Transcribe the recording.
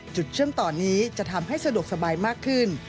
เชื่อมต่อนี้จะทำให้สะดวกสบายมากขึ้น